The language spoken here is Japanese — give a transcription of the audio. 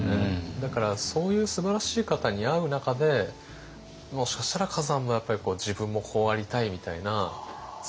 だからそういうすばらしい方に会う中でもしかしたら崋山もやっぱり自分もこうありたいみたいな像があったのかもしれませんね。